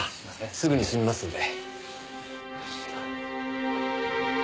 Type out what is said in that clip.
すぐにすみますんで。